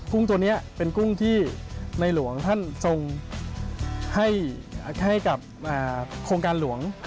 ตัวนี้เป็นกุ้งที่ในหลวงท่านทรงให้กับโครงการหลวง